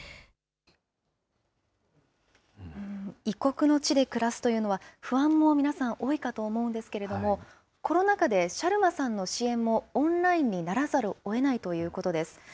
異国の地で暮らすというのは不安も皆さん、多いかと思うんですけれども、コロナ禍でシャルマさんの支援もオンラインにならざるをえないということです。